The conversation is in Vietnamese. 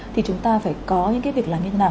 thì chúng ta phải có những cái việc làm như thế nào